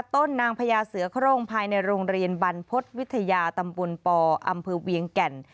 นางพญาเสือโครงภายในโรงเรียนบรรพฤษวิทยาตำบลปอำเภอเวียงแก่น